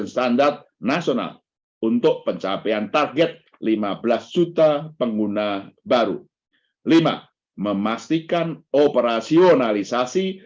standar nasional untuk pencapaian target lima belas juta pengguna baru lima memastikan operasionalisasi